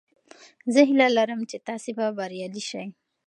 زه هیله لرم چې تاسې به بریالي شئ.